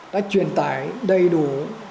đã truyền tải đầy đủ